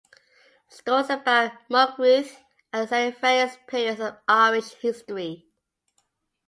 Stories about Mug Ruith are set in various periods of Irish history.